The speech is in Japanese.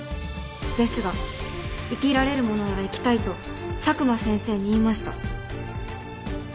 ですが生きられるものなら生きたいと佐久間先生に言いました。